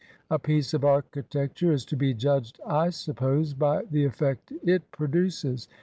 A piece of architecture is to be judged, I suppose, by the effect it produces.